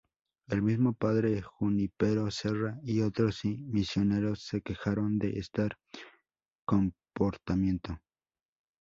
El mismo padre Junípero Serra y otros misioneros se quejaron de este comportamiento.